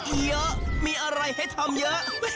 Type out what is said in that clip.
เยอะมีอะไรให้ทำเยอะ